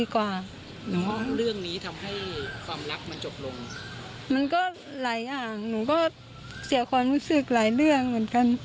ความรู้สึกหลายเรื่องเหมือนกัน